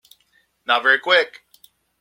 Not very Quick.